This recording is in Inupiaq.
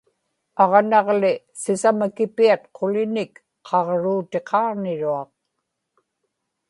aġnaġli sisamakipiat qulinik qaġruutiqaġniruaq